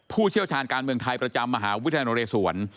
เชี่ยวชาญการเมืองไทยประจำมหาวิทยาลัยนเรศวร